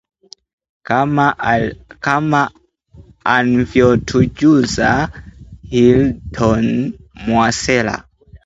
Kama Anvyotujuza Hilton Mwasela